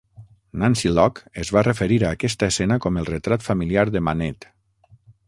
Nancy Locke es va referir a aquesta escena com el retrat familiar de Manet.